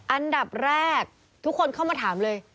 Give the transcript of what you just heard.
อันดับแรกทุกคนเข้ามาถามเลย